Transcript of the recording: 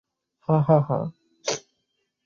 হ্যাঁ - হ্যাঁ - হ্যাঁ।